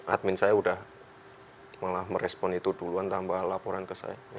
admin saya sudah malah merespon itu duluan tanpa laporan ke saya